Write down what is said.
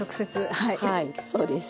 はいそうです。